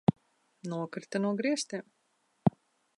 Nokrita no griestiem!